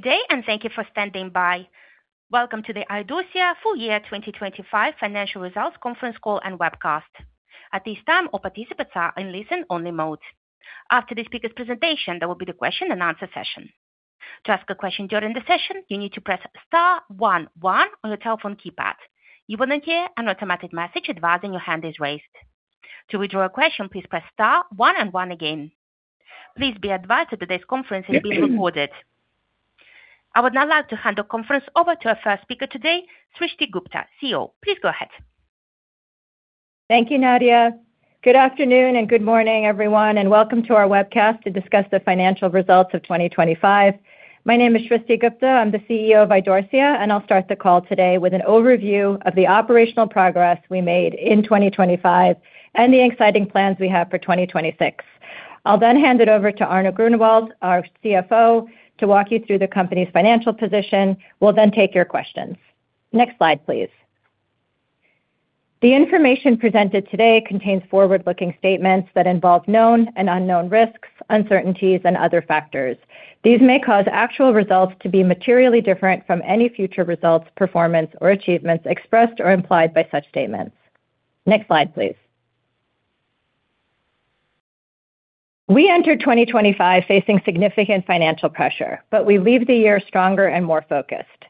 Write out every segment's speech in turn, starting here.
Good day, and thank you for standing by. Welcome to the Idorsia full year 2025 financial results conference call and webcast. At this time, all participants are in listen-only mode. After the speaker's presentation, there will be the question-and-answer session. To ask a question during the session, you need to press star one one on your telephone keypad. You will then hear an automatic message advising your hand is raised. To withdraw a question, please press star one and one again. Please be advised that today's conference is being recorded. I would now like to hand the conference over to our first speaker today, Srishti Gupta, CEO. Please go ahead. Thank you, Nadia. Good afternoon, good morning, everyone, welcome to our webcast to discuss the financial results of 2025. My name is Srishti Gupta. I'm the CEO of Idorsia, I'll start the call today with an overview of the operational progress we made in 2025, the exciting plans we have for 2026. I'll hand it over to Arno Groenewoud, our CFO, to walk you through the company's financial position. We'll take your questions. Next slide, please. The information presented today contains forward-looking statements that involve known and unknown risks, uncertainties, and other factors. These may cause actual results to be materially different from any future results, performance, or achievements expressed or implied by such statements. Next slide, please. We entered 2025 facing significant financial pressure, we leave the year stronger and more focused.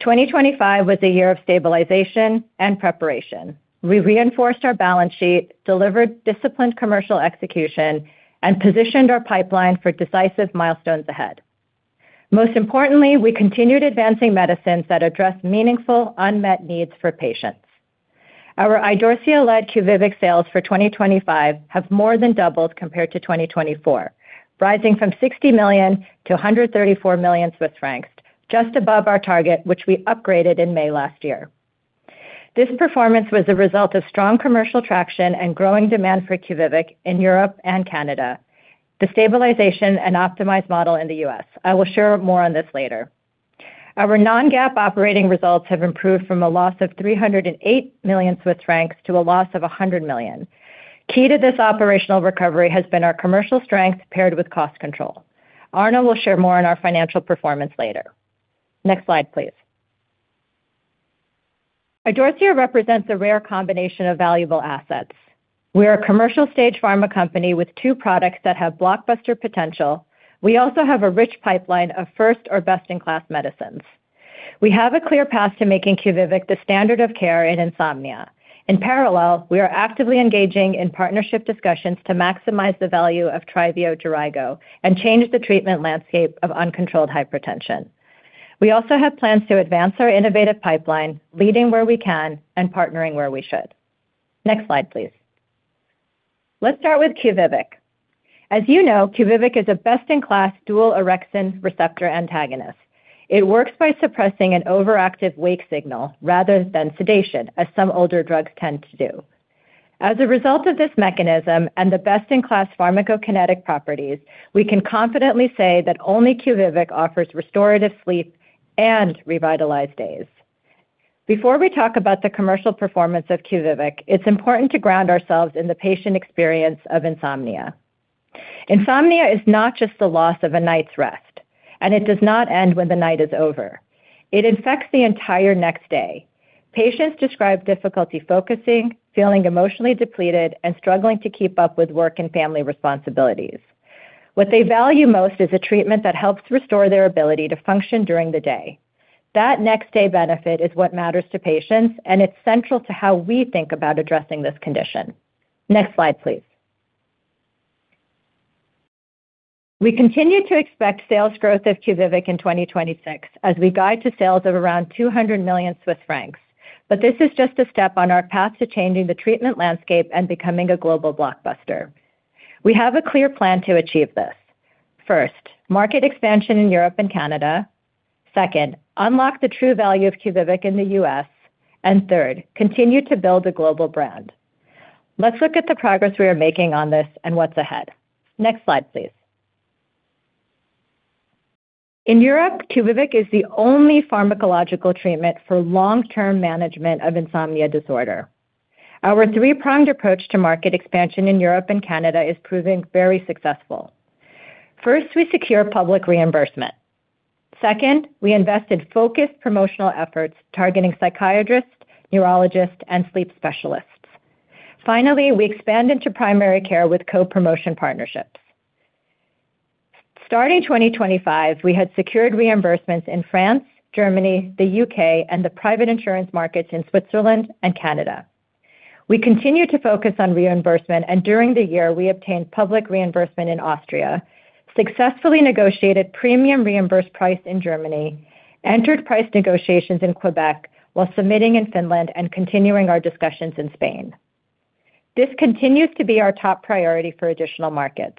2025 was a year of stabilization and preparation. We reinforced our balance sheet, delivered disciplined commercial execution, and positioned our pipeline for decisive milestones ahead. Most importantly, we continued advancing medicines that address meaningful unmet needs for patients. Our Idorsia-led QUVIVIQ sales for 2025 have more than doubled compared to 2024, rising from 60 million to 134 million Swiss francs, just above our target, which we upgraded in May last year. This performance was a result of strong commercial traction and growing demand for QUVIVIQ in Europe and Canada. The stabilization and optimized model in the U.S. I will share more on this later. Our non-GAAP operating results have improved from a loss of 308 million Swiss francs to a loss of 100 million. Key to this operational recovery has been our commercial strength, paired with cost control. Arno will share more on our financial performance later. Next slide, please. Idorsia represents a rare combination of valuable assets. We are a commercial-stage pharma company with two products that have blockbuster potential. We also have a rich pipeline of first or best-in-class medicines. We have a clear path to making QUVIVIQ the standard of care in insomnia. In parallel, we are actively engaging in partnership discussions to maximize the value of TRYVIO/JERAYGO and change the treatment landscape of uncontrolled hypertension. We also have plans to advance our innovative pipeline, leading where we can and partnering where we should. Next slide, please. Let's start with QUVIVIQ. As you know, QUVIVIQ is a best-in-class dual orexin receptor antagonist. It works by suppressing an overactive wake signal rather than sedation, as some older drugs tend to do. As a result of this mechanism and the best-in-class pharmacokinetic properties, we can confidently say that only QUVIVIQ offers restorative sleep and revitalized days. Before we talk about the commercial performance of QUVIVIQ, it's important to ground ourselves in the patient experience of insomnia. Insomnia is not just the loss of a night's rest, and it does not end when the night is over. It infects the entire next day. Patients describe difficulty focusing, feeling emotionally depleted, and struggling to keep up with work and family responsibilities. What they value most is a treatment that helps restore their ability to function during the day. That next-day benefit is what matters to patients, and it's central to how we think about addressing this condition. Next slide, please. We continue to expect sales growth of QUVIVIQ in 2026 as we guide to sales of around 200 million Swiss francs. This is just a step on our path to changing the treatment landscape and becoming a global blockbuster. We have a clear plan to achieve this. First, market expansion in Europe and Canada. Second, unlock the true value of QUVIVIQ in the U.S. Third, continue to build a global brand. Let's look at the progress we are making on this and what's ahead. Next slide, please. In Europe, QUVIVIQ is the only pharmacological treatment for long-term management of insomnia disorder. Our three-pronged approach to market expansion in Europe and Canada is proving very successful. First, we secure public reimbursement. Second, we invested focused promotional efforts targeting psychiatrists, neurologists, and sleep specialists. Finally, we expand into primary care with co-promotion partnerships. Starting 2025, we had secured reimbursements in France, Germany, the U.K., and the private insurance markets in Switzerland and Canada. We continued to focus on reimbursement, and during the year we obtained public reimbursement in Austria, successfully negotiated premium reimbursed price in Germany, entered price negotiations in Quebec while submitting in Finland and continuing our discussions in Spain. This continues to be our top priority for additional markets,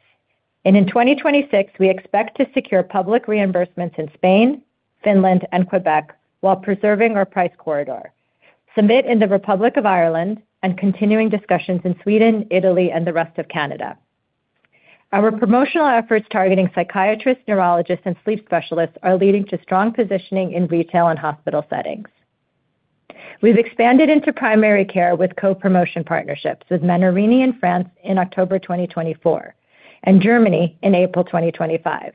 and in 2026, we expect to secure public reimbursements in Spain, Finland, and Quebec while preserving our price corridor, submit in the Republic of Ireland and continuing discussions in Sweden, Italy, and the rest of Canada. Our promotional efforts targeting psychiatrists, neurologists, and sleep specialists are leading to strong positioning in retail and hospital settings. We've expanded into primary care with co-promotion partnerships with Menarini in France in October 2024, and Germany in April 2025,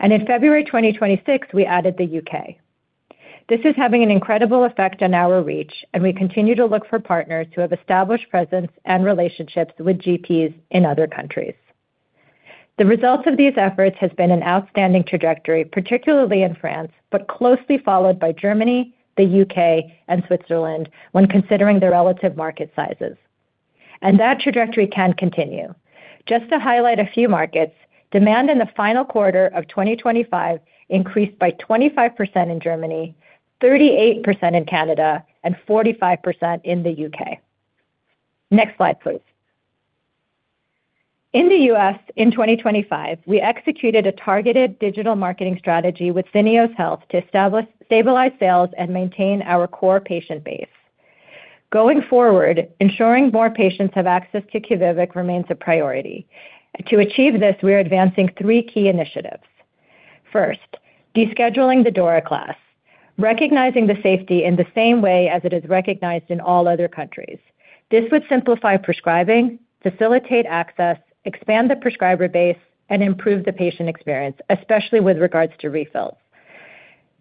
and in February 2026, we added the U.K. This is having an incredible effect on our reach, and we continue to look for partners who have established presence and relationships with GPs in other countries. The results of these efforts has been an outstanding trajectory, particularly in France, but closely followed by Germany, the U.K., and Switzerland when considering their relative market sizes, and that trajectory can continue. Just to highlight a few markets, demand in the final quarter of 2025 increased by 25% in Germany, 38% in Canada, and 45% in the U.K. Next slide, please. In the U.S., in 2025, we executed a targeted digital marketing strategy with Syneos Health to stabilize sales and maintain our core patient base. Going forward, ensuring more patients have access to QUVIVIQ remains a priority. To achieve this, we are advancing three key initiatives. First, descheduling the DORA class, recognizing the safety in the same way as it is recognized in all other countries. This would simplify prescribing, facilitate access, expand the prescriber base, and improve the patient experience, especially with regards to refills.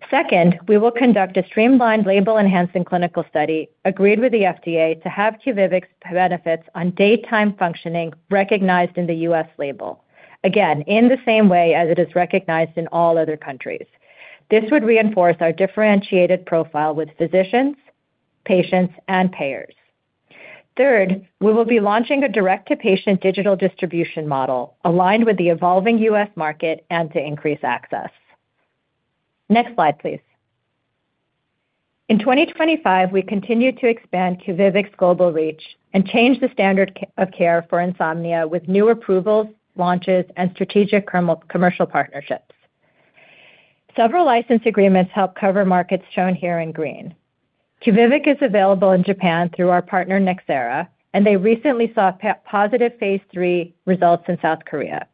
Second, we will conduct a streamlined label-enhancing clinical study, agreed with the FDA to have QUVIVIQ's benefits on daytime functioning recognized in the U.S. label. In the same way as it is recognized in all other countries. This would reinforce our differentiated profile with physicians, patients, and payers. Third, we will be launching a direct-to-patient digital distribution model aligned with the evolving U.S. market and to increase access. Next slide, please. In 2025, we continued to expand QUVIVIQ's global reach and change the standard of care for insomnia with new approvals, launches, and strategic commercial partnerships. Several license agreements help cover markets shown here in green. QUVIVIQ is available in Japan through our partner, Nxera, and they recently saw positive phase III results in South Korea.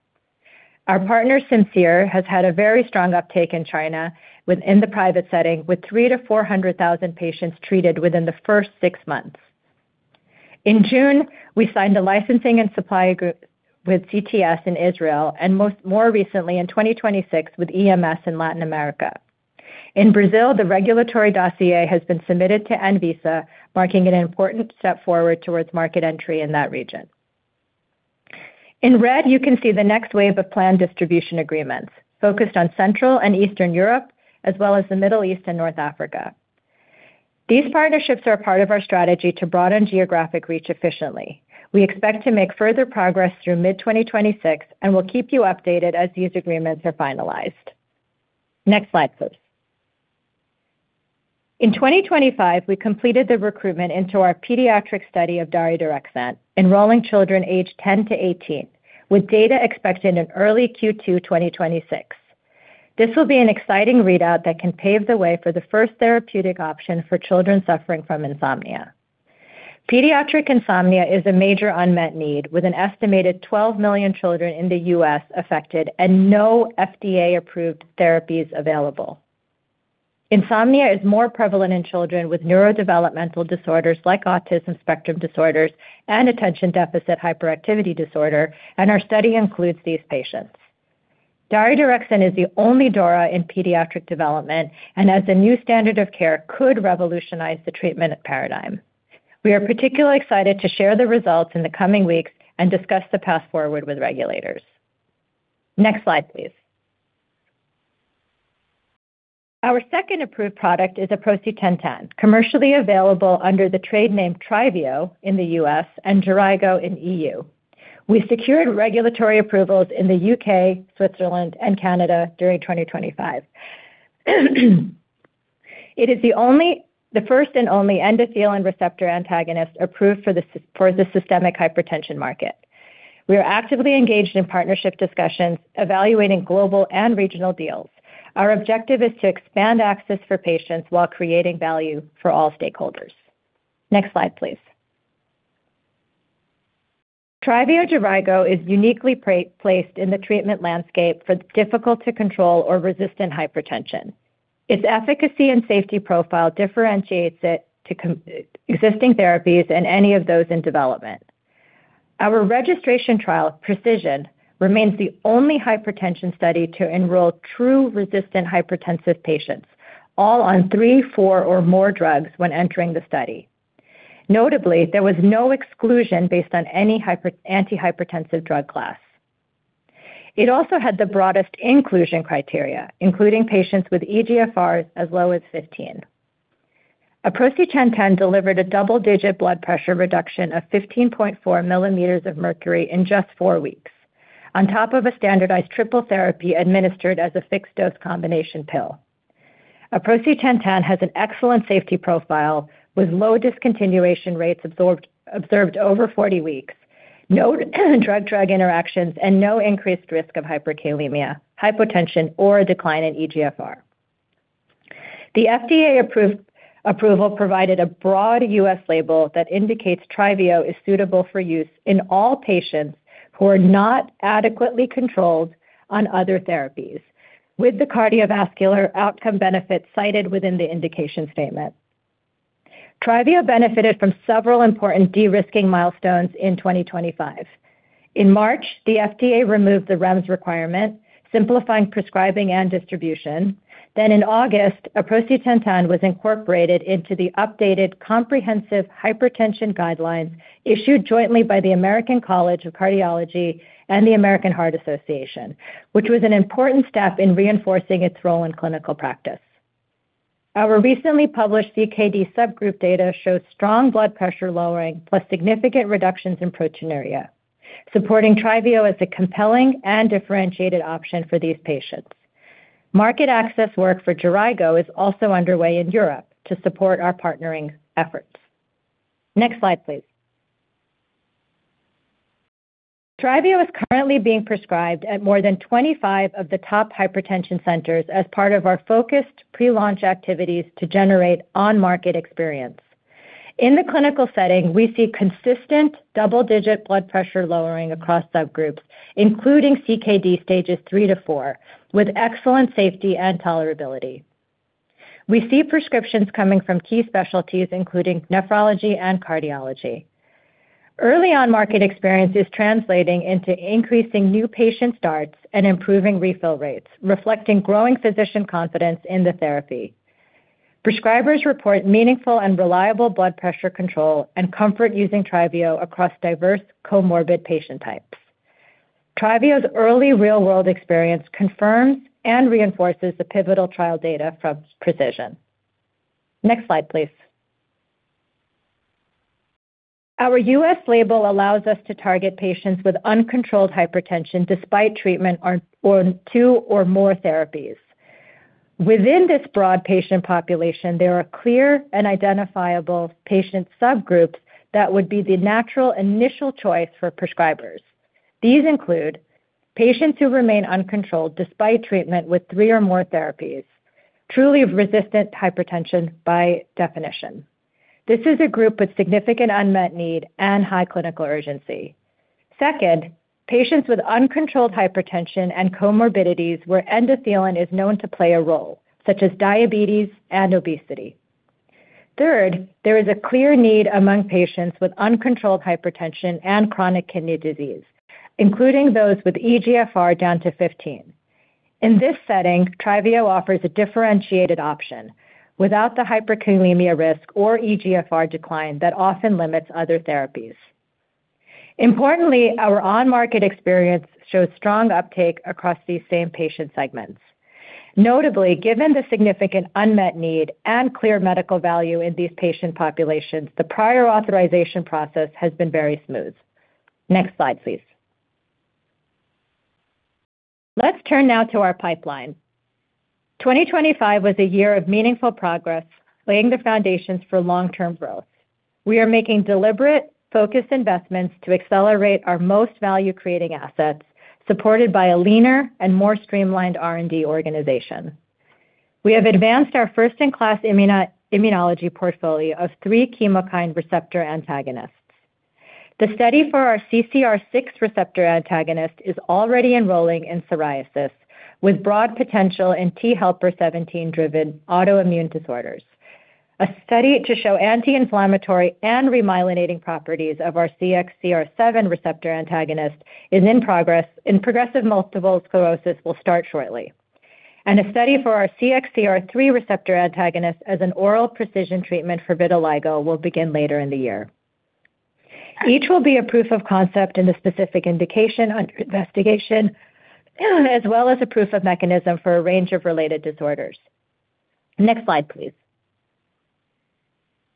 Our partner, Simcere, has had a very strong uptake in China within the private setting, with 300,000-400,000 patients treated within the first 6 months. In June, we signed a licensing and supply group with CTS in Israel, more recently in 2026 with EMS in Latin America. In Brazil, the regulatory dossier has been submitted to Anvisa, marking an important step forward towards market entry in that region. In red, you can see the next wave of planned distribution agreements focused on Central and Eastern Europe, as well as the Middle East and North Africa. These partnerships are part of our strategy to broaden geographic reach efficiently. We expect to make further progress through mid-2026. We'll keep you updated as these agreements are finalized. Next slide, please. In 2025, we completed the recruitment into our pediatric study of daridorexant, enrolling children aged 10-18, with data expected in early Q2 2026. This will be an exciting readout that can pave the way for the first therapeutic option for children suffering from insomnia. Pediatric insomnia is a major unmet need, with an estimated 12 million children in the U.S. affected and no FDA-approved therapies available. Insomnia is more prevalent in children with neurodevelopmental disorders like autism spectrum disorders and attention deficit hyperactivity disorder. Our study includes these patients. Daridorexant is the only DORA in pediatric development. As the new standard of care, could revolutionize the treatment paradigm. We are particularly excited to share the results in the coming weeks and discuss the path forward with regulators. Next slide, please. Our second approved product is aprocitentan, commercially available under the trade name TRYVIO in the U.S. and JERAYGO in E.U. We secured regulatory approvals in the U.K., Switzerland, and Canada during 2025. It is the first and only endothelin receptor antagonist approved for the systemic hypertension market. We are actively engaged in partnership discussions, evaluating global and regional deals. Our objective is to expand access for patients while creating value for all stakeholders. Next slide, please. TRYVIO/JERAYGO, is uniquely placed in the treatment landscape for difficult-to-control or resistant hypertension. Its efficacy and safety profile differentiates it to existing therapies and any of those in development. Our registration trial, PRECISION, remains the only hypertension study to enroll true resistant hypertensive patients, all on three, four, or more drugs when entering the study. Notably, there was no exclusion based on any antihypertensive drug class. It also had the broadest inclusion criteria, including patients with eGFR as low as 15. Aprocitentan delivered a double-digit blood pressure reduction of 15.4 mm of mercury in just four weeks, on top of a standardized triple therapy administered as a fixed-dose combination pill. Aprocitentan has an excellent safety profile, with low discontinuation rates observed over 40 weeks, no drug-drug interactions, and no increased risk of hyperkalemia, hypotension, or a decline in eGFR. The FDA-approved approval provided a broad U.S. label that indicates TRYVIO is suitable for use in all patients who are not adequately controlled on other therapies, with the cardiovascular outcome benefits cited within the indication statement. TRYVIO benefited from several important de-risking milestones in 2025. In March, the FDA removed the REMS requirement, simplifying prescribing and distribution. In August, aprocitentan was incorporated into the updated comprehensive hypertension guidelines issued jointly by the American College of Cardiology and the American Heart Association, which was an important step in reinforcing its role in clinical practice. Our recently published CKD subgroup data shows strong blood pressure lowering plus significant reductions in proteinuria, supporting TRYVIO as a compelling and differentiated option for these patients. Market access work for JERAYGO is also underway in Europe to support our partnering efforts. Next slide, please. TRYVIO is currently being prescribed at more than 25 of the top hypertension centers as part of our focused pre-launch activities to generate on-market experience. In the clinical setting, we see consistent double-digit blood pressure lowering across subgroups, including CKD stages three to four, with excellent safety and tolerability. We see prescriptions coming from key specialties, including nephrology and cardiology. Early on-market experience is translating into increasing new patient starts and improving refill rates, reflecting growing physician confidence in the therapy. Prescribers report meaningful and reliable blood pressure control and comfort using TRYVIO across diverse comorbid patient types. TRYVIO's early real-world experience confirms and reinforces the pivotal trial data from PRECISION. Next slide, please. Our U.S. label allows us to target patients with uncontrolled hypertension despite treatment on two or more therapies. Within this broad patient population, there are clear and identifiable patient subgroups that would be the natural initial choice for prescribers. These include patients who remain uncontrolled despite treatment with three or more therapies, truly resistant hypertension by definition. This is a group with significant unmet need and high clinical urgency. Second, patients with uncontrolled hypertension and comorbidities where endothelin is known to play a role, such as diabetes and obesity. Third, there is a clear need among patients with uncontrolled hypertension and chronic kidney disease, including those with eGFR down to 15. In this setting, TRYVIO offers a differentiated option without the hyperkalemia risk or eGFR decline that often limits other therapies. Importantly, our on-market experience shows strong uptake across these same patient segments. Notably, given the significant unmet need and clear medical value in these patient populations, the prior authorization process has been very smooth. Next slide, please. Let's turn now to our pipeline. 2025 was a year of meaningful progress, laying the foundations for long-term growth. We are making deliberate, focused investments to accelerate our most value-creating assets, supported by a leaner and more streamlined R&D organization. We have advanced our first-in-class immunology portfolio of three chemokine receptor antagonists. The study for our CCR6 receptor antagonist is already enrolling in psoriasis, with broad potential in T helper 17-driven autoimmune disorders. A study to show anti-inflammatory and remyelinating properties of our CXCR7 receptor antagonist is in progress, progressive multiple sclerosis will start shortly. A study for our CXCR3 receptor antagonist as an oral precision treatment for vitiligo will begin later in the year. Each will be a proof of concept in the specific indication under investigation, as well as a proof of mechanism for a range of related disorders. Next slide, please.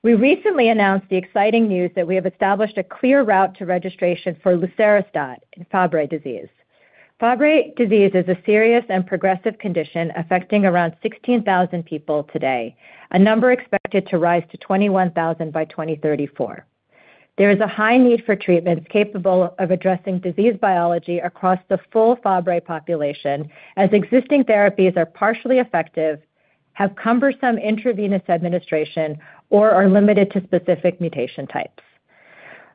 We recently announced the exciting news that we have established a clear route to registration for lucerastat in Fabry disease. Fabry disease is a serious and progressive condition affecting around 16,000 people today, a number expected to rise to 21,000 by 2034. There is a high need for treatments capable of addressing disease biology across the full Fabry population, as existing therapies are partially effective, have cumbersome intravenous administration, or are limited to specific mutation types.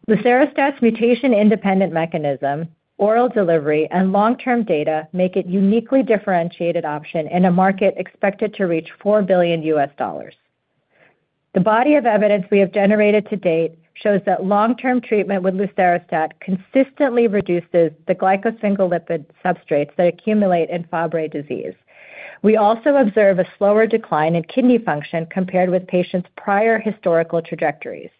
Lucerastat's mutation-independent mechanism, oral delivery, and long-term data make it uniquely differentiated option in a market expected to reach $4 billion. The body of evidence we have generated to date shows that long-term treatment with lucerastat consistently reduces the glycosphingolipid substrates that accumulate in Fabry disease. We also observe a slower decline in kidney function compared with patients' prior historical trajectories.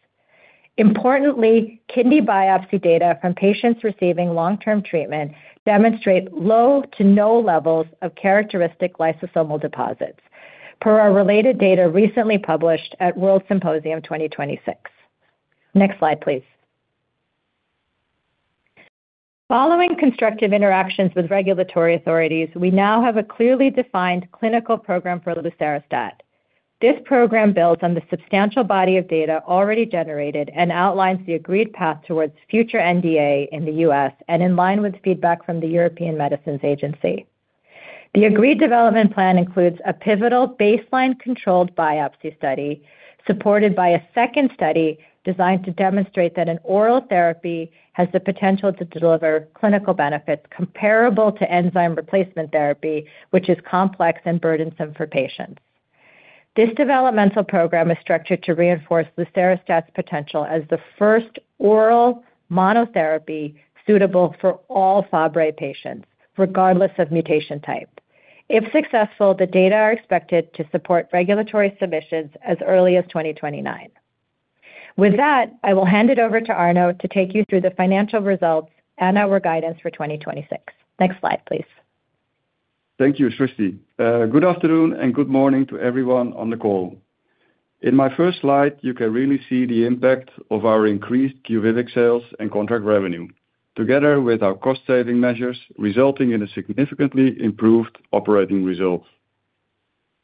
Importantly, kidney biopsy data from patients receiving long-term treatment demonstrate low to no levels of characteristic lysosomal deposits, per our related data recently published at WORLDSymposium 2026. Next slide, please. Following constructive interactions with regulatory authorities, we now have a clearly defined clinical program for lucerastat. This program builds on the substantial body of data already generated and outlines the agreed path towards future NDA in the U.S. and in line with feedback from the European Medicines Agency. The agreed development plan includes a pivotal baseline controlled biopsy study, supported by a second study designed to demonstrate that an oral therapy has the potential to deliver clinical benefits comparable to enzyme replacement therapy, which is complex and burdensome for patients. This developmental program is structured to reinforce the lucerastat's potential as the first oral monotherapy suitable for all Fabry patients, regardless of mutation type. If successful, the data are expected to support regulatory submissions as early as 2029. With that, I will hand it over to Arno to take you through the financial results and our guidance for 2026. Next slide, please. Thank you, Srishti. Good afternoon, good morning to everyone on the call. In my first slide, you can really see the impact of our increased QUVIVIQ sales and contract revenue, together with our cost-saving measures, resulting in a significantly improved operating result.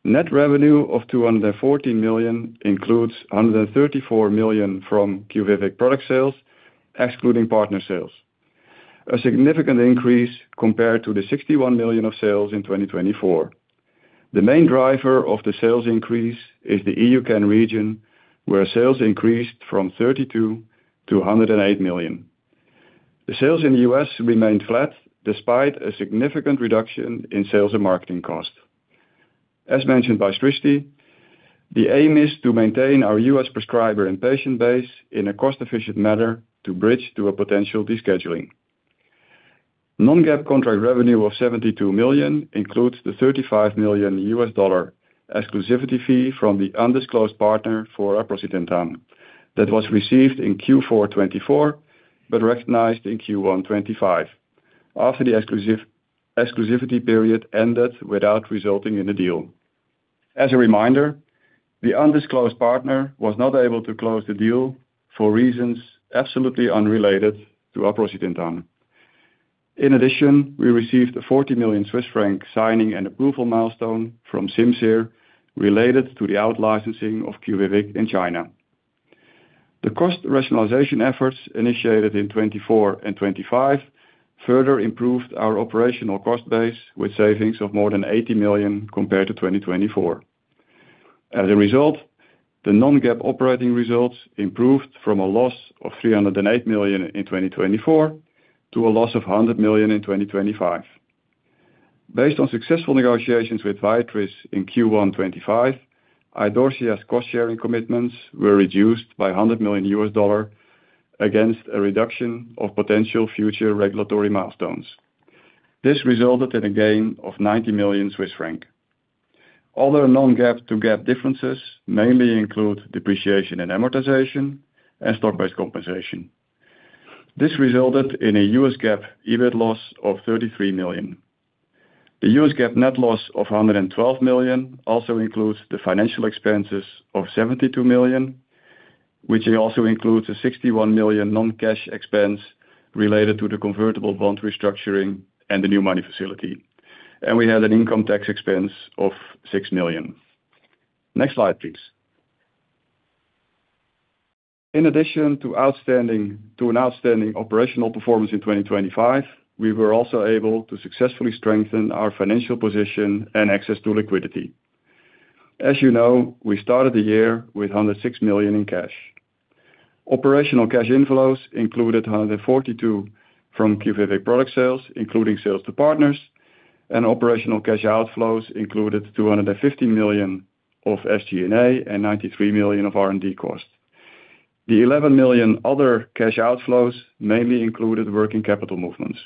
Net revenue of 214 million includes 134 million from QUVIVIQ product sales, excluding partner sales. A significant increase compared to the 61 million of sales in 2024. The main driver of the sales increase is the EUCAN region, where sales increased from 32 million-108 million. The sales in the U.S. remained flat, despite a significant reduction in sales and marketing costs. As mentioned by Srishti, the aim is to maintain our U.S. prescriber and patient base in a cost-efficient manner to bridge to a potential descheduling. Non-GAAP contract revenue of 72 million includes the $35 million exclusivity fee from the undisclosed partner for aprocitentan that was received in Q4 2024, but recognized in Q1 2025, after the exclusivity period ended without resulting in a deal. A reminder, the undisclosed partner was not able to close the deal for reasons absolutely unrelated to aprocitentan. In addition, we received a 40 million Swiss franc signing and approval milestone from Simcere, related to the out licensing of QUVIVIQ in China. The cost rationalization efforts initiated in 2024 and 2025 further improved our operational cost base, with savings of more than 80 million compared to 2024. As a result, the non-GAAP operating results improved from a loss of 308 million in 2024 to a loss of 100 million in 2025. Based on successful negotiations with Viatris in Q1 2025, Idorsia's cost-sharing commitments were reduced by $100 million against a reduction of potential future regulatory milestones. This resulted in a gain of 90 million Swiss franc. Other non-GAAP to GAAP differences mainly include depreciation and amortization and stock-based compensation. This resulted in a U.S. GAAP EBIT loss of $33 million. The U.S. GAAP net loss of $112 million also includes the financial expenses of $72 million, which also includes a $61 million non-cash expense related to the convertible bond restructuring and the new money facility. We had an income tax expense of $6 million. Next slide, please. In addition to an outstanding operational performance in 2025, we were also able to successfully strengthen our financial position and access to liquidity. As you know, we started the year with 106 million in cash. Operational cash inflows included 142 million from QUVIVIQ product sales, including sales to partners. Operational cash outflows included 250 million of SG&A and 93 million of R&D costs. The 11 million other cash outflows mainly included working capital movements.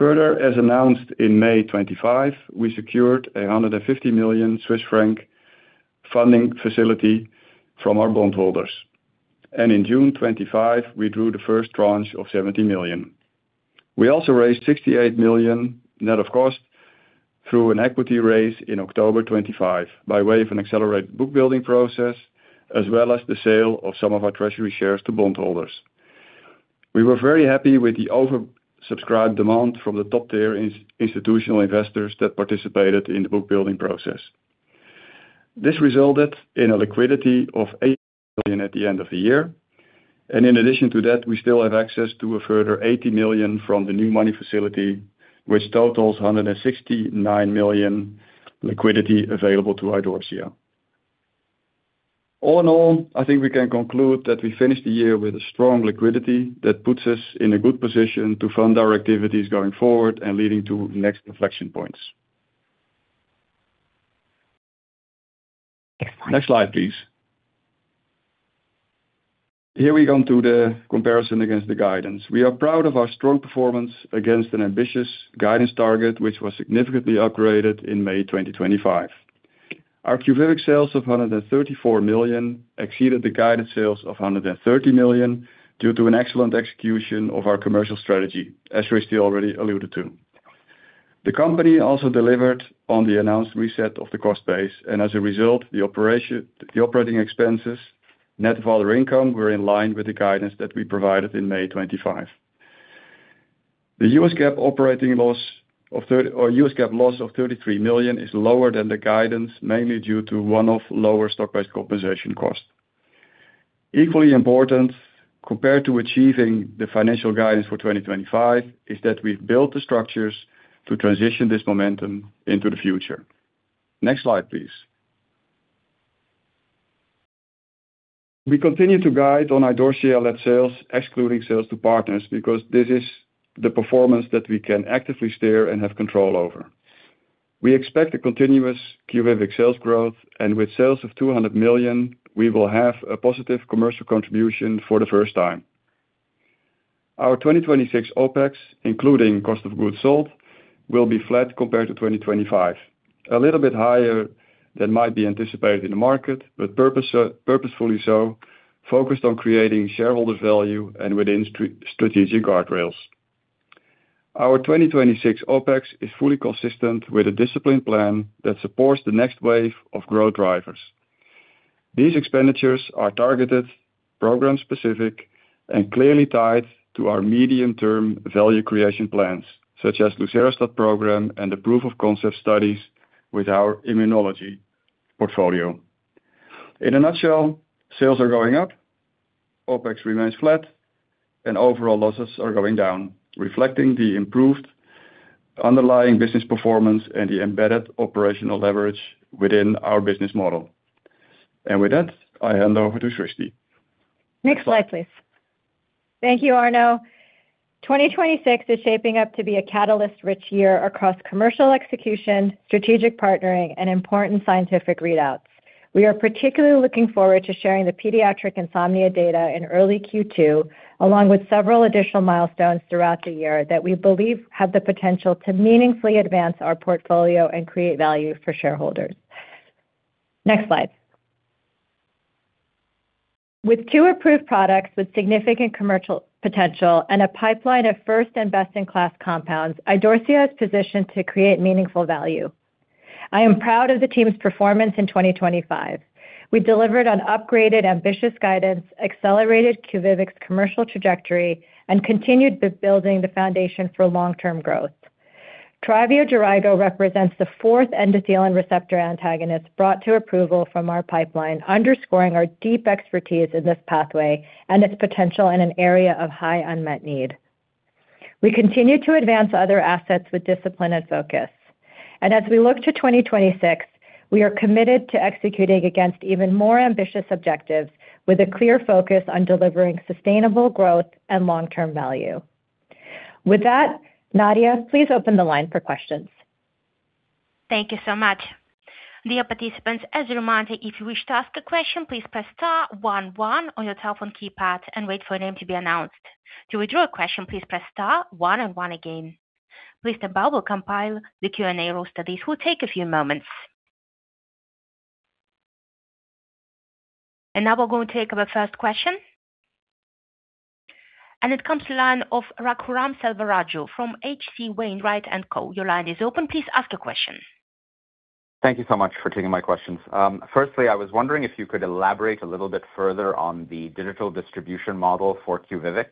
As announced in May 2025, we secured a 150 million Swiss franc funding facility from our bondholders, and in June 2025, we drew the first tranche of 70 million. We also raised 68 million, net of cost, through an equity raise in October 2025 by way of an accelerated book building process, as well as the sale of some of our treasury shares to bondholders. We were very happy with the oversubscribed demand from the top-tier institutional investors that participated in the book-building process. This resulted in a liquidity of 8 million at the end of the year, and in addition to that, we still have access to a further 80 million from the new money facility, which totals 169 million liquidity available to Idorsia. All in all, I think we can conclude that we finished the year with a strong liquidity that puts us in a good position to fund our activities going forward and leading to next inflection points. Next slide, please. Here we go into the comparison against the guidance. We are proud of our strong performance against an ambitious guidance target, which was significantly upgraded in May 2025. Our QUVIVIQ sales of 134 million exceeded the guided sales of 130 million due to an excellent execution of our commercial strategy, as Srishti already alluded to. The company also delivered on the announced reset of the cost base. As a result, the operating expenses, net of other income, were in line with the guidance that we provided in May 25th. The U.S. GAAP loss of 33 million is lower than the guidance, mainly due to one-off lower stock-based compensation costs. Equally important, compared to achieving the financial guidance for 2025, is that we've built the structures to transition this momentum into the future. Next slide, please. We continue to guide on Idorsia at sales, excluding sales to partners, because this is the performance that we can actively steer and have control over. We expect a continuous QUVIVIQ sales growth. With sales of 200 million, we will have a positive commercial contribution for the first time. Our 2026 OpEx, including cost of goods sold, will be flat compared to 2025. A little bit higher than might be anticipated in the market, purposefully so, focused on creating shareholder value and within strategic guardrails. Our 2026 OpEx is fully consistent with a disciplined plan that supports the next wave of growth drivers. These expenditures are targeted, program-specific, and clearly tied to our medium-term value creation plans, such as lucerastat program and the proof of concept studies with our immunology portfolio. In a nutshell, sales are going up, OpEx remains flat, and overall losses are going down, reflecting the improved underlying business performance and the embedded operational leverage within our business model. With that, I hand over to Srishti. Next slide, please. Thank you, Arno. 2026 is shaping up to be a catalyst-rich year across commercial execution, strategic partnering, and important scientific readouts. We are particularly looking forward to sharing the pediatric insomnia data in early Q2, along with several additional milestones throughout the year that we believe have the potential to meaningfully advance our portfolio and create value for shareholders. Next slide. With two approved products with significant commercial potential and a pipeline of first and best-in-class compounds, Idorsia is positioned to create meaningful value. I am proud of the team's performance in 2025. We delivered on upgraded, ambitious guidance, accelerated QUVIVIQ's commercial trajectory, and continued building the foundation for long-term growth. TRYVIO/JERAYGO represents the fourth endothelin receptor antagonist brought to approval from our pipeline, underscoring our deep expertise in this pathway and its potential in an area of high unmet need. We continue to advance other assets with discipline and focus. As we look to 2026, we are committed to executing against even more ambitious objectives with a clear focus on delivering sustainable growth and long-term value. With that, Nadia, please open the line for questions. Thank you so much. Dear participants, as a reminder, if you wish to ask a question, please press star 11 on your telephone keypad and wait for your name to be announced. To withdraw a question, please press star one and one again. Please stand by, we'll compile the Q&A roll studies. Will take a few moments. Now we're going to take our first question. It comes to the line of Raghuram Selvaraju from H.C. Wainwright & Co.. Your line is open. Please ask a question. Thank you so much for taking my questions. Firstly, I was wondering if you could elaborate a little bit further on the digital distribution model for QUVIVIQ,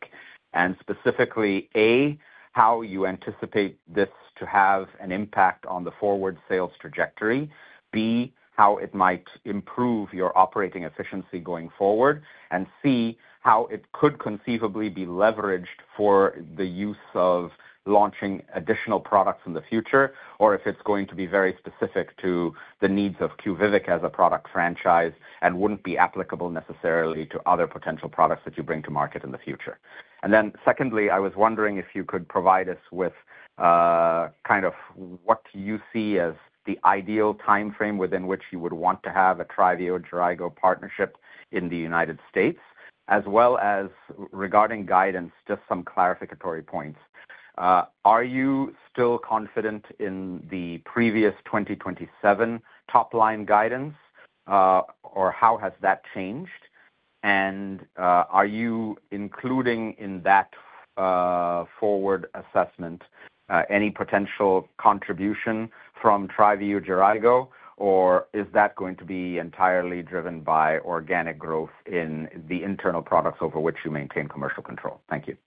and specifically, A, how you anticipate this to have an impact on the forward sales trajectory? B, how it might improve your operating efficiency going forward, and C, how it could conceivably be leveraged for the use of launching additional products in the future, or if it's going to be very specific to the needs of QUVIVIQ as a product franchise and wouldn't be applicable necessarily to other potential products that you bring to market in the future. Secondly, I was wondering if you could provide us with kind of what you see as the ideal timeframe within which you would want to have a TRYVIO/JERAYGO partnership in the United States, as well as regarding guidance, just some clarificatory points. Are you still confident in the previous 2027 top-line guidance, or how has that changed? Are you including in that forward assessment any potential contribution from TRYVIO/JERAYGO, or is that going to be entirely driven by organic growth in the internal products over which you maintain commercial control? Thank you.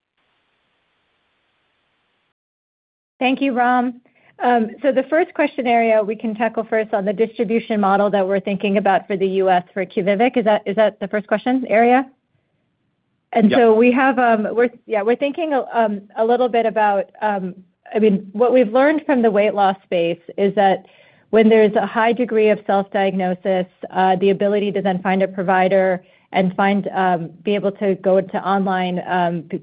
Thank you, Ram. The first question area we can tackle first on the distribution model that we're thinking about for the U.S. for QUVIVIQ. Is that, is that the first question area? Yeah. We're thinking, I mean, what we've learned from the weight loss space is that when there's a high degree of self-diagnosis, the ability to then find a provider and find, be able to go to online,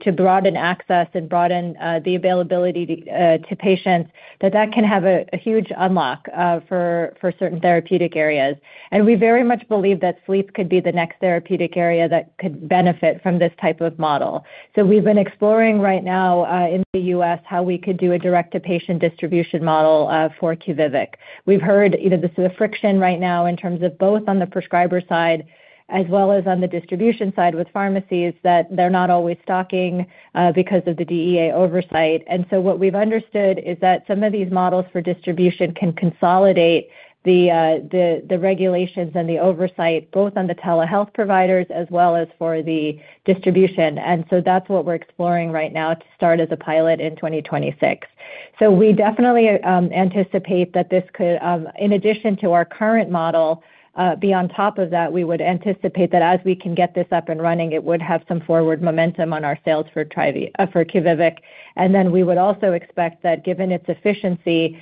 to broaden access and broaden the availability to patients, that can have a huge unlock for certain therapeutic areas. We very much believe that sleep could be the next therapeutic area that could benefit from this type of model. We've been exploring right now in the U.S., how we could do a direct-to-patient distribution model for QUVIVIQ. We've heard, you know, this is a friction right now in terms of both on the prescriber side as well as on the distribution side with pharmacies, that they're not always stocking, because of the DEA oversight. What we've understood is that some of these models for distribution can consolidate the regulations and the oversight, both on the telehealth providers as well as for the distribution. That's what we're exploring right now to start as a pilot in 2026. We definitely anticipate that this could, in addition to our current model, be on top of that, we would anticipate that as we can get this up and running, it would have some forward momentum on our sales for. For QUVIVIQ, we would also expect that given its efficiency,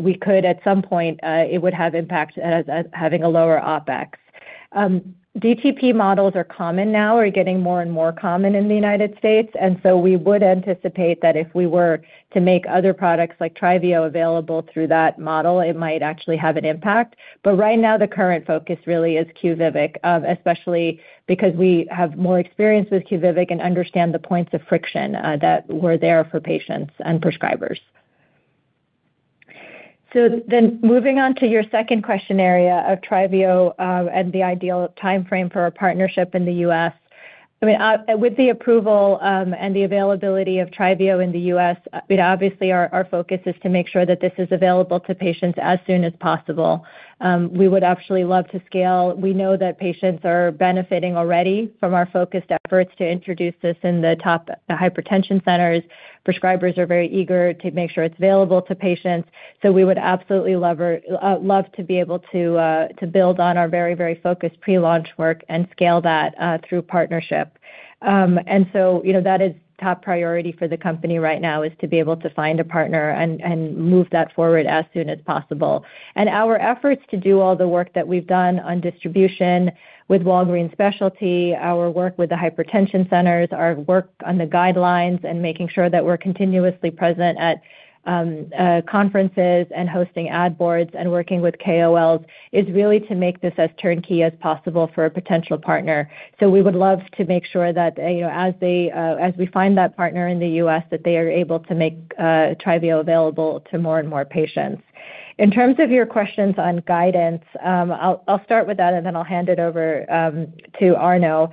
we could, at some point, it would have impact as having a lower OpEx. DTP models are common now or getting more and more common in the United States. We would anticipate that if we were to make other products like TRYVIO available through that model, it might actually have an impact. The current focus really is QUVIVIQ, especially because we have more experience with QUVIVIQ and understand the points of friction that were there for patients and prescribers. Moving on to your second question area of TRYVIO, and the ideal timeframe for our partnership in the U.S. I mean, with the approval, and the availability of TRYVIO in the U.S., obviously, our focus is to make sure that this is available to patients as soon as possible. We would actually love to scale. We know that patients are benefiting already from our focused efforts to introduce this in the top hypertension centers. Prescribers are very eager to make sure it's available to patients. We would absolutely love to be able to build on our very focused pre-launch work and scale that through partnership. You know, that is top priority for the company right now, is to be able to find a partner and move that forward as soon as possible. Our efforts to do all the work that we've done on distribution with Walgreens Specialty, our work with the hypertension centers, our work on the guidelines, and making sure that we're continuously present at conferences and hosting ad boards and working with KOLs is really to make this as turnkey as possible for a potential partner. We would love to make sure that, you know, as they as we find that partner in the US, that they are able to make TRYVIO available to more and more patients. In terms of your questions on guidance, I'll start with that, and then I'll hand it over to Arno.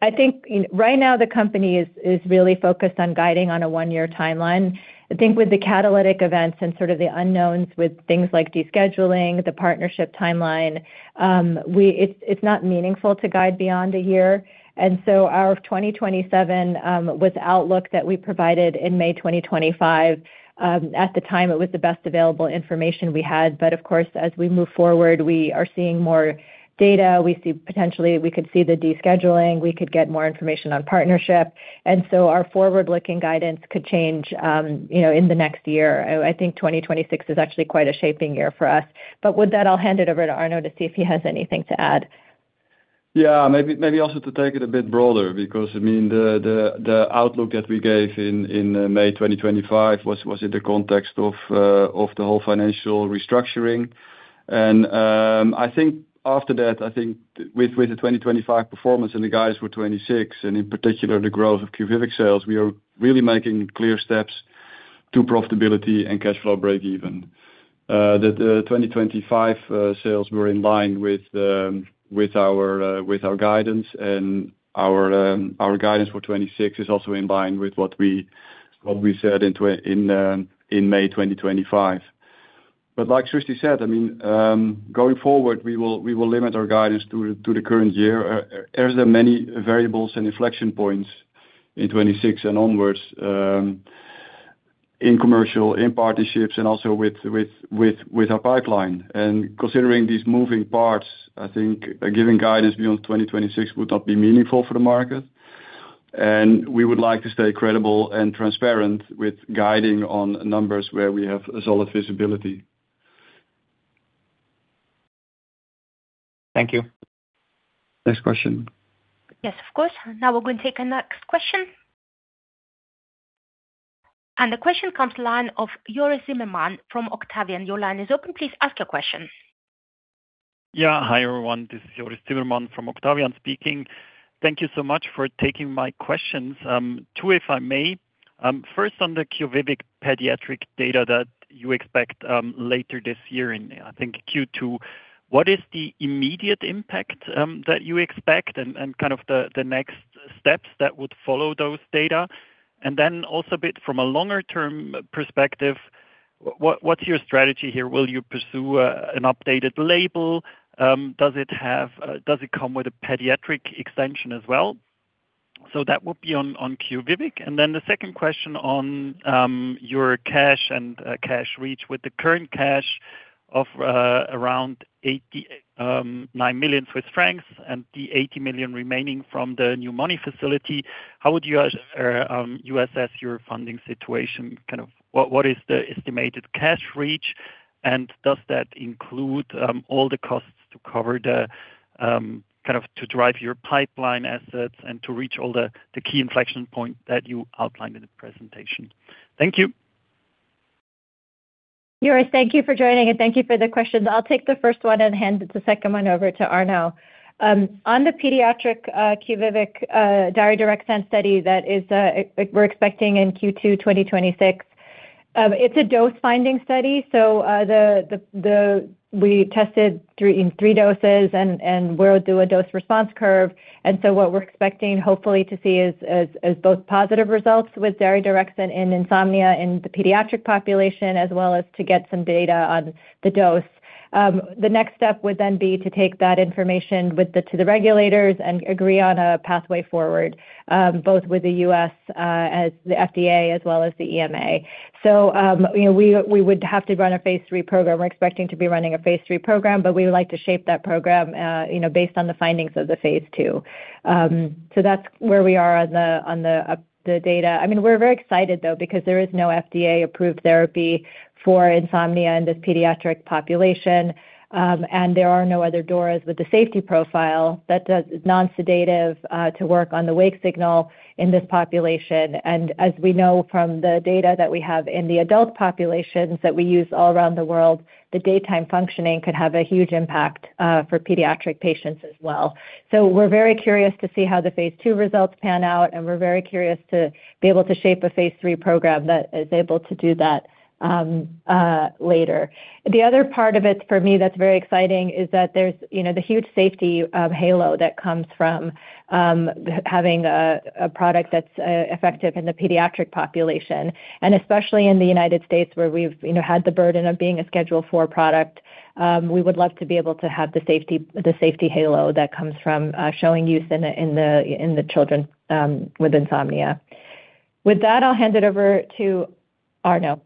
I think right now the company is really focused on guiding on a one-year timeline. I think with the catalytic events and sort of the unknowns with things like descheduling, the partnership timeline, it's not meaningful to guide beyond a year. Our 2027 outlook that we provided in May 2025, at the time, it was the best available information we had. Of course, as we move forward, we are seeing more data. We see potentially, we could see the descheduling, we could get more information on partnership. Our forward-looking guidance could change, you know, in the next year. I think 2026 is actually quite a shaping year for us. With that, I'll hand it over to Arno to see if he has anything to add. Yeah, maybe also to take it a bit broader, because, I mean, the outlook that we gave in May 2025 was in the context of the whole financial restructuring. I think after that, with the 2025 performance and the guys for 2026, and in particular, the growth of QUVIVIQ sales, we are really making clear steps to profitability and cash flow break even. That the 2025 sales were in line with our guidance and our guidance for 2026 is also in line with what we said in May 2025. Like Srishti said, I mean, going forward, we will limit our guidance to the current year. There are many variables and inflection points in 2026 and onwards, in commercial, in partnerships, and also with our pipeline. Considering these moving parts, I think giving guidance beyond 2026 would not be meaningful for the market, and we would like to stay credible and transparent with guiding on numbers where we have a solid visibility. Thank you. Next question. Yes, of course. Now we're going to take our next question. The question comes line of Joris Zimmermann from Octavian. Your line is open. Please ask your question. Yeah. Hi, everyone. This is Joris Zimmermann from Octavian speaking. Thank you so much for taking my questions. Two, if I may. First on the QUVIVIQ pediatric data that you expect later this year in, I think, Q2. What is the immediate impact that you expect, and kind of the next steps that would follow those data? Also a bit from a longer-term perspective, what's your strategy here? Will you pursue an updated label? Does it have, does it come with a pediatric extension as well? That would be on QUVIVIQ. The second question on your cash and cash reach. With the current cash of around 89 million Swiss francs and the 80 million remaining from the new money facility, how would you assess your funding situation? Kind of, what is the estimated cash reach? Does that include all the costs to cover the kind of to drive your pipeline assets and to reach all the key inflection point that you outlined in the presentation? Thank you. Joris, thank you for joining, and thank you for the questions. I'll take the first one and hand the second one over to Arno. On the pediatric QUVIVIQ daridorexant study that is, we're expecting in Q2 2026. It's a dose-finding study, so the. We tested through in three doses and we'll do a dose-response curve. What we're expecting, hopefully, to see is both positive results with daridorexant in insomnia in the pediatric population, as well as to get some data on the dose. The next step would then be to take that information to the regulators and agree on a pathway forward, both with the U.S. as the FDA as well as the EMA. You know, we would have to run a phase III program. We're expecting to be running a phase III program. We would like to shape that program, you know, based on the findings of the phase II. That's where we are on the data. I mean, we're very excited, though, because there is no FDA-approved therapy for insomnia in this pediatric population, and there are no other doors with the safety profile that does non-sedative to work on the wake signal in this population. As we know from the data that we have in the adult populations that we use all around the world, the daytime functioning could have a huge impact for pediatric patients as well. We're very curious to see how the phase II results pan out, and we're very curious to be able to shape a phase three program that is able to do that later. The other part of it, for me, that's very exciting, is that there's, you know, the huge safety of halo that comes from having a product that's effective in the pediatric population, and especially in the United States, where we've, you know, had the burden of being a Schedule IV product. We would love to be able to have the safety halo that comes from showing use in the children with insomnia. With that, I'll hand it over to Arno.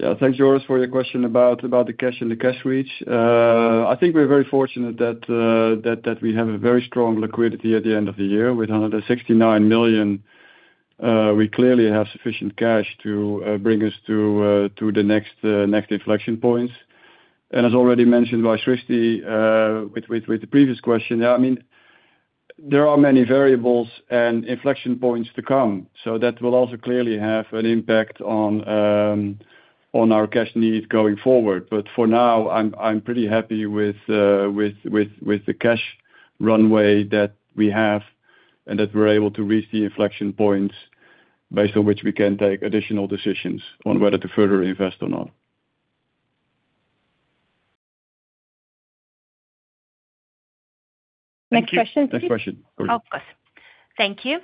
Yeah. Thanks, Joris, for your question about the cash and the cash reach. I think we're very fortunate that we have a very strong liquidity at the end of the year. With another 69 million, we clearly have sufficient cash to bring us to the next inflection points. As already mentioned by Srishti, with the previous question, I mean, there are many variables and inflection points to come, so that will also clearly have an impact on our cash needs going forward. For now, I'm pretty happy with the cash runway that we have and that we're able to reach the inflection points based on which we can take additional decisions on whether to further invest or not. Next question. Next question. Of course. Thank you.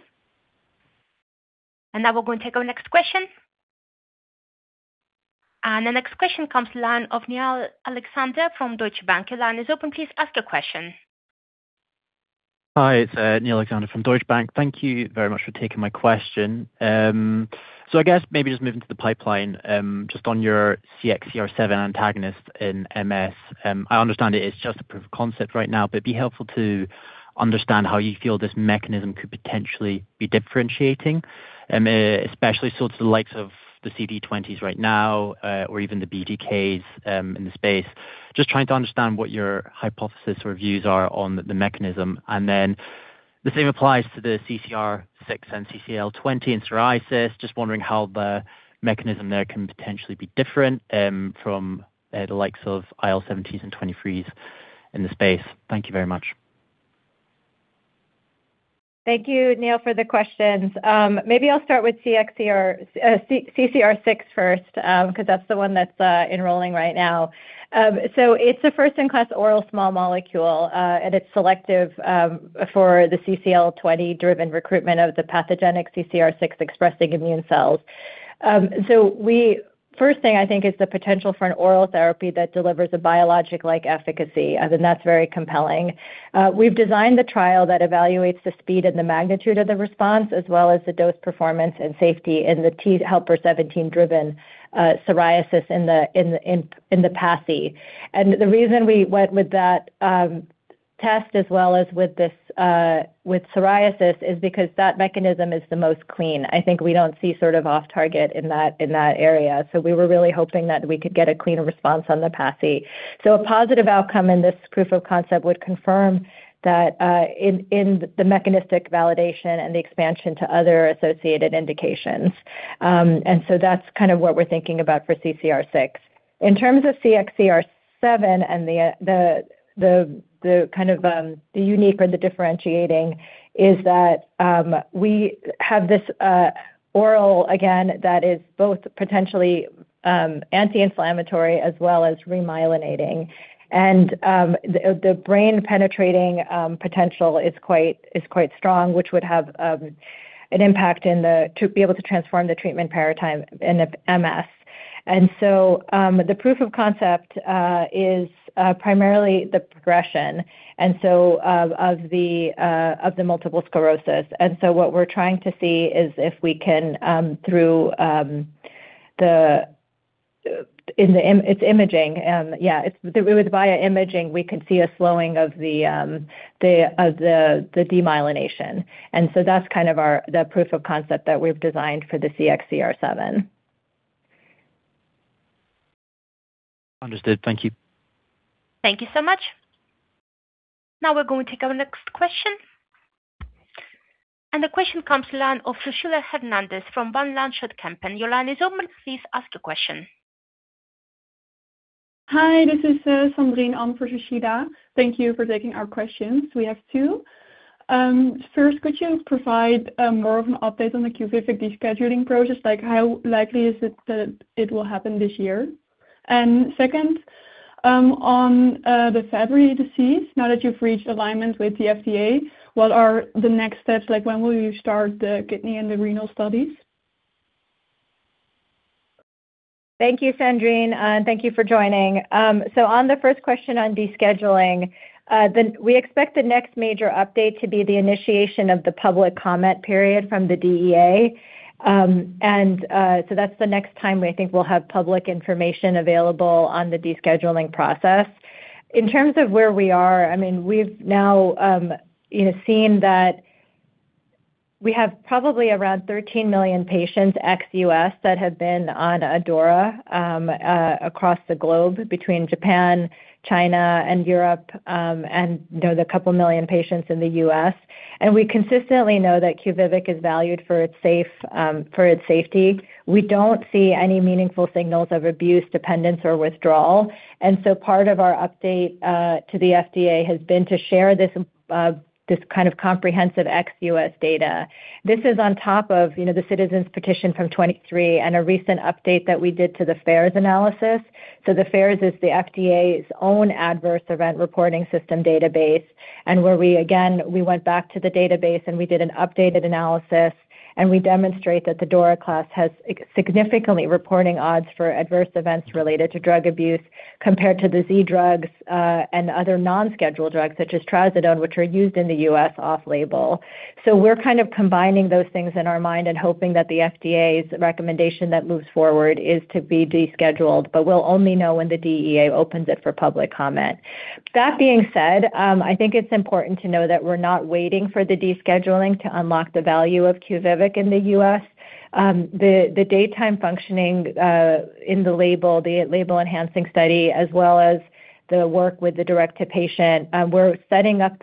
Now we're going to take our next question. The next question comes line of Niall Alexander from Deutsche Bank. Your line is open. Please ask your question. Hi, it's Niall Alexander from Deutsche Bank. Thank you very much for taking my question. I guess maybe just moving to the pipeline, just on your CXCR7 antagonist in MS, I understand it is just a proof of concept right now, but it'd be helpful to understand how you feel this mechanism could potentially be differentiating, especially so to the likes of the CD20s right now, or even the BTKs in the space. Just trying to understand what your hypothesis or views are on the mechanism. Then the same applies to the CCR6 and CCL20 in psoriasis. Just wondering how the mechanism there can potentially be different from the likes of IL-17s and 23s in the space. Thank you very much. Thank you, Niall, for the questions. Maybe I'll start with CCR6 first, because that's the one that's enrolling right now. It's a first-in-class oral small molecule, and it's selective for the CCL20-driven recruitment of the pathogenic CCR6 expressing immune cells. First thing I think is the potential for an oral therapy that delivers a biologic-like efficacy, and then that's very compelling. We've designed the trial that evaluates the speed and the magnitude of the response, as well as the dose, performance and safety in the T helper 17-driven psoriasis in the PASI. The reason we went with that test, as well as with this, with psoriasis, is because that mechanism is the most clean. I think we don't see sort of off target in that, in that area, so we were really hoping that we could get a cleaner response on the PASI. A positive outcome in this proof of concept would confirm that in the mechanistic validation and the expansion to other associated indications. That's kind of what we're thinking about for CCR6. In terms of CXCR7 and the kind of the unique or the differentiating is that we have this oral again, that is both potentially anti-inflammatory as well as remyelinating. The brain penetrating potential is quite strong, which would have an impact to be able to transform the treatment paradigm in the MS. The proof of concept is primarily the progression of the multiple sclerosis. What we're trying to see is if we can, through it's imaging, yeah, it's really via imaging, we could see a slowing of the demyelination. That's kind of our, the proof of concept that we've designed for the CXCR7. Understood. Thank you. Thank you so much. Now we're going to take our next question, and the question comes line of Sushila Hernandez from Van Lanschot Kempen. Your line is open. Please ask a question. Hi, this is Sandrine on for Sushila. Thank you for taking our questions. We have two. First, could you provide more of an update on the QUVIVIQ descheduling process? Like, how likely is it that it will happen this year? Second, on the Fabry disease, now that you've reached alignment with the FDA, what are the next steps? Like, when will you start the kidney and the renal studies? Thank you, Sandrine, and thank you for joining. On the first question on descheduling, we expect the next major update to be the initiation of the public comment period from the DEA. That's the next time we think we'll have public information available on the descheduling process. In terms of where we are, I mean, we've now, you know, seen that we have probably around 13 million patients, ex-U.S., that have been on QUVIVIQ, across the globe between Japan, China, and Europe, and, you know, the 2 million patients in the U.S. We consistently know that QUVIVIQ is valued for its safe, for its safety. We don't see any meaningful signals of abuse, dependence, or withdrawal. Part of our update to the FDA has been to share this kind of comprehensive ex-U.S. data. This is on top of, you know, the Citizen Petition from 23 and a recent update that we did to the FAERS analysis. The FAERS is the FDA's own adverse event reporting system database, and where we again went back to the database and we did an updated analysis, and we demonstrate that the QUVIVIQ class has significantly reporting odds for adverse events related to drug abuse compared to the Z drugs and other non-schedule drugs, such as trazodone, which are used in the U.S. off-label. We're kind of combining those things in our mind and hoping that the FDA's recommendation that moves forward is to be descheduled, but we'll only know when the DEA opens it for public comment. That being said, I think it's important to know that we're not waiting for the descheduling to unlock the value of QUVIVIQ in the U.S. The daytime functioning in the label, the label-enhancing study, as well as the work with the direct-to-patient, We're setting up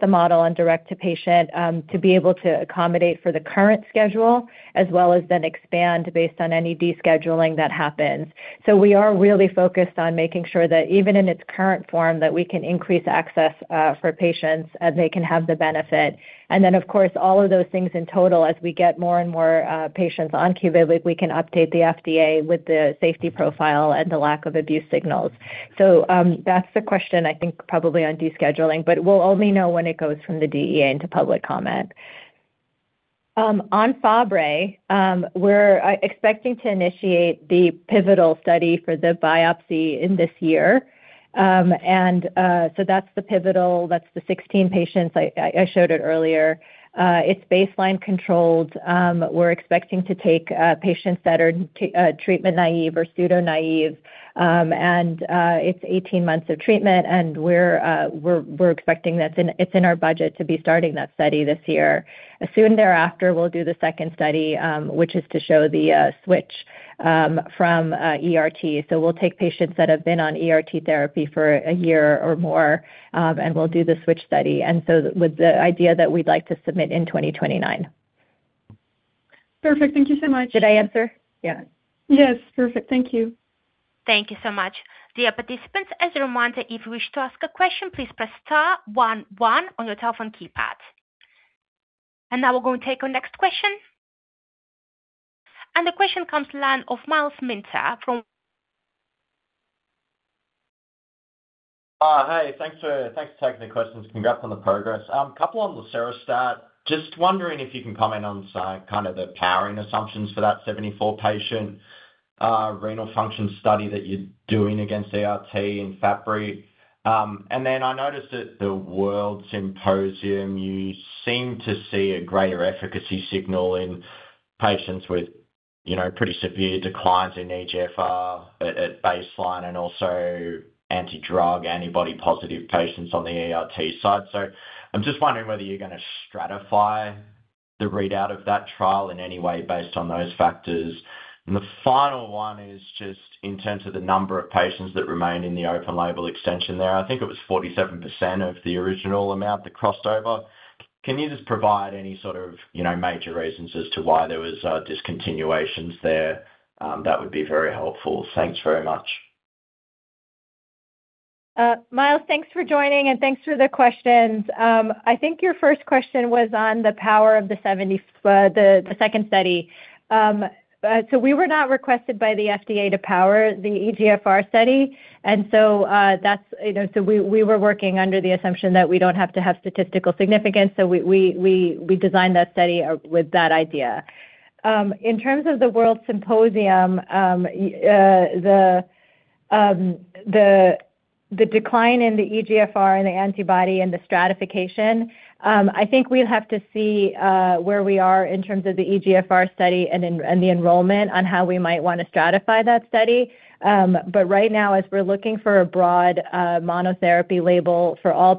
the model on direct to patient to be able to accommodate for the current schedule, as well as then expand based on any descheduling that happens. We are really focused on making sure that even in its current form, that we can increase access for patients, and they can have the benefit. Then, of course, all of those things in total, as we get more and more patients on QUVIVIQ, we can update the FDA with the safety profile and the lack of abuse signals. That's the question, I think, probably on descheduling, but we'll only know when it goes from the DEA into public comment. On Fabry, we're expecting to initiate the pivotal study for the biopsy in this year. So that's the pivotal, that's the 16 patients. I showed it earlier. It's baseline controlled. We're expecting to take patients that are treatment naive or pseudo-naive, and it's 18 months of treatment, and we're expecting that's in. It's in our budget to be starting that study this year. Soon thereafter, we'll do the second study, which is to show the switch from ERT. We'll take patients that have been on ERT therapy for a year or more, and we'll do the switch study, with the idea that we'd like to submit in 2029. Perfect. Thank you so much. Did I answer? Yeah. Yes. Perfect. Thank you. Thank you so much. Dear participants, as a reminder, if you wish to ask a question, please press star one one on your telephone keypad. Now we're going to take our next question. The question comes the line of Myles Minter from William Blair. Hey, thanks for, thanks for taking the questions. Congrats on the progress. Couple on lucerastat. Just wondering if you can comment on kind of the powering assumptions for that 74 patient renal function study that you're doing against ERT in Fabry. I noticed that the WORLDSymposium, you seem to see a greater efficacy signal in patients with, you know, pretty severe declines in eGFR at baseline and also anti-drug antibody-positive patients on the ERT side. I'm just wondering whether you're gonna stratify the readout of that trial in any way based on those factors. The final one is just in terms of the number of patients that remained in the open-label extension there. I think it was 47% of the original amount that crossed over. Can you just provide any sort of, you know, major reasons as to why there was discontinuations there? That would be very helpful. Thanks very much. Myles, thanks for joining, and thanks for the questions. I think your first question was on the power of the 70, the second study. We were not requested by the FDA to power the eGFR study, that's, you know, so we were working under the assumption that we don't have to have statistical significance, so we designed that study with that idea. In terms of the WORLDSymposium, the decline in the eGFR and the antibody and the stratification, I think we'll have to see where we are in terms of the eGFR study then, and the enrollment on how we might wanna stratify that study. Right now, as we're looking for a broad monotherapy label for all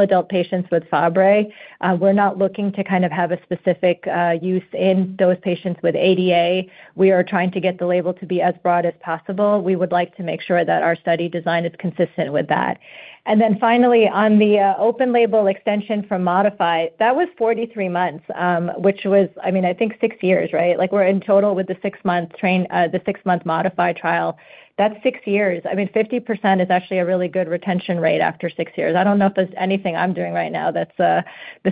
adult patients with Fabry, we're not looking to kind of have a specific use in those patients with ADA. We are trying to get the label to be as broad as possible. We would like to make sure that our study design is consistent with that. Finally, on the open label extension for MODIFY, that was 43 months, which was, I mean, I think six years, right? Like, we're in total with the six-month train, the six-month MODIFY trial. That's six years. I mean, 50% is actually a really good retention rate after six years. I don't know if there's anything I'm doing right now that's the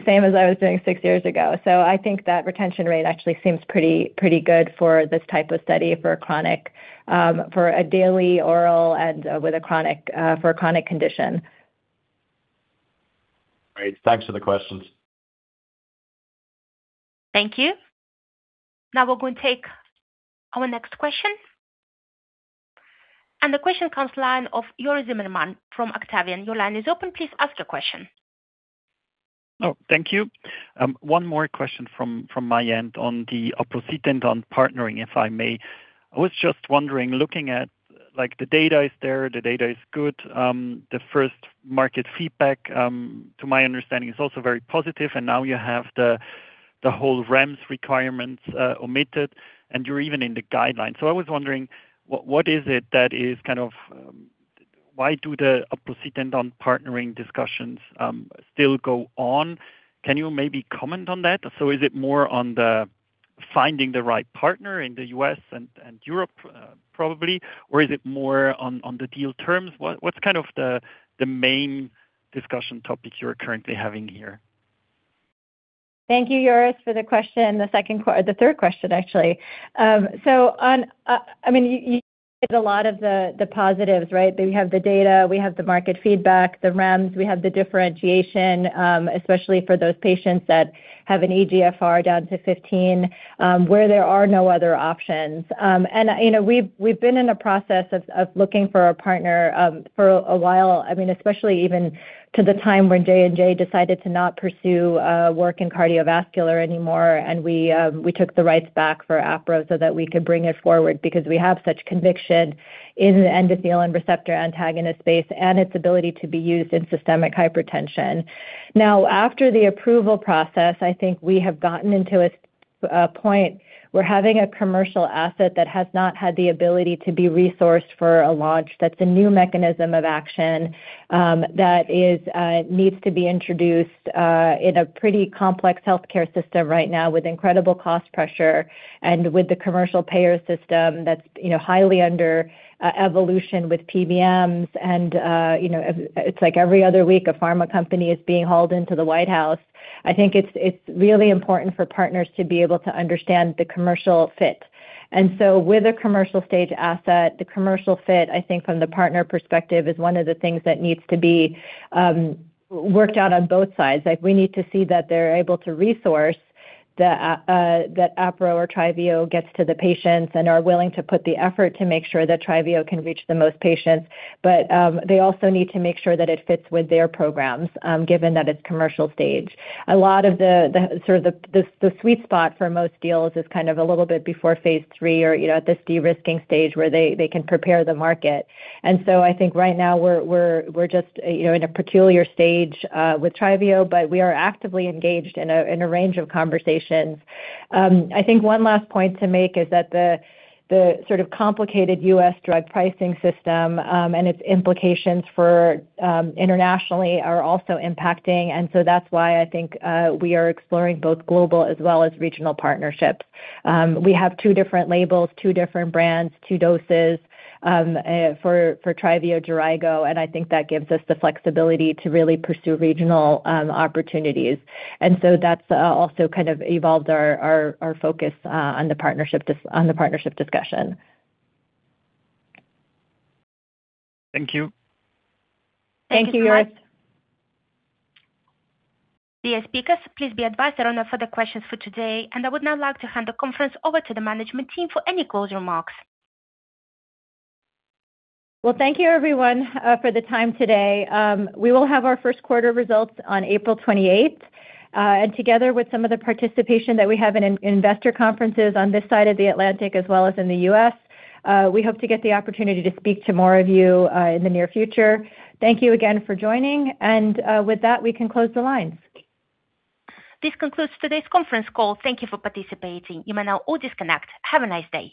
same as I was doing six years ago. I think that retention rate actually seems pretty good for this type of study, for a chronic, for a daily oral and, with a chronic, for a chronic condition. Great. Thanks for the questions. Thank you. Now we're going to take our next question. The question comes line of Joris Zimmermann from Octavian. Your line is open. Please ask your question. Thank you. One more question from my end on the aprocitentan on partnering, if I may. I was just wondering, looking at, like, the data is there, the data is good. The first market feedback, to my understanding, is also very positive, and now you have the whole REMS requirements omitted, and you're even in the guidelines. I was wondering, what is it that is kind of, why do the aprocitentan on partnering discussions still go on? Can you maybe comment on that? Is it more on the finding the right partner in the U.S. and Europe, probably, or is it more on the deal terms? What's kind of the main discussion topic you're currently having here? Thank you, Joris, for the question. The third question, actually. On, I mean, you did a lot of the positives, right? We have the data, we have the market feedback, the REMS, we have the differentiation, especially for those patients that have an eGFR down to 15, where there are no other options. You know, we've been in a process of looking for a partner for a while. I mean, especially even to the time when J&J decided to not pursue work in cardiovascular anymore, we took the rights back for Apro so that we could bring it forward. We have such conviction in the endothelin receptor antagonist space and its ability to be used in systemic hypertension. After the approval process, I think we have gotten into a point where having a commercial asset that has not had the ability to be resourced for a launch, that's a new mechanism of action, that is, needs to be introduced in a pretty complex healthcare system right now, with incredible cost pressure and with the commercial payer system that's, you know, highly under evolution with PBMs. You know, it's like every other week, a pharma company is being hauled into the White House. I think it's really important for partners to be able to understand the commercial fit. With a commercial stage asset, the commercial fit, I think from the partner perspective, is one of the things that needs to be worked out on both sides. Like, we need to see that they're able to resource that Apro or TRYVIO gets to the patients and are willing to put the effort to make sure that TRYVIO can reach the most patients. They also need to make sure that it fits with their programs, given that it's commercial stage. A lot of the sort of the sweet spot for most deals is kind of a little bit before phase III or, you know, at this de-risking stage where they can prepare the market. I think right now we're, we're just, you know, in a peculiar stage with TRYVIO, but we are actively engaged in a, in a range of conversations. I think one last point to make is that the sort of complicated U.S. drug pricing system, and its implications for, internationally, are also impacting. That's why I think, we are exploring both global as well as regional partnerships. We have two different labels, two different brands, two doses, for TRYVIO/JERAYGO, and I think that gives us the flexibility to really pursue regional opportunities. That's also kind of evolved our focus on the partnership discussion. Thank you. Thank you, Joris. Dear speakers, please be advised there are no further questions for today. I would now like to hand the conference over to the management team for any closing remarks. Well, thank you everyone, for the time today. We will have our first quarter results on April 28th. Together with some of the participation that we have in investor conferences on this side of the Atlantic as well as in the U.S., we hope to get the opportunity to speak to more of you, in the near future. Thank you again for joining, and, with that, we can close the lines. This concludes today's conference call. Thank you for participating. You may now all disconnect. Have a nice day.